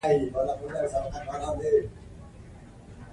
هندوکش د اجتماعي جوړښت برخه ده.